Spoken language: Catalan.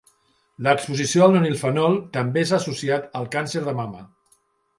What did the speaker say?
L'exposició al nonilfenol també s'ha associat al càncer de mama.